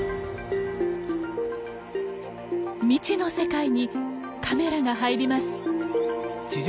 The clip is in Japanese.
未知の世界にカメラが入ります。